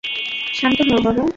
শান্ত হও, বাবা।